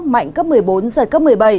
mạnh cấp một mươi bốn giật cấp một mươi bảy